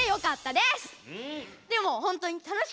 でもほんとに楽しかった！